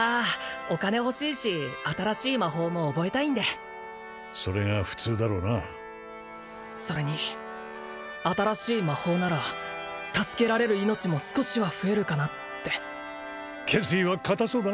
お金欲しいし新しい魔法も覚えたいんでそれが普通だろうなそれに新しい魔法なら助けられる命も少しは増えるかなって決意は固そうだ